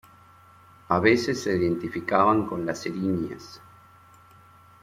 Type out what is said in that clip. A veces se identificaban con las Erinias.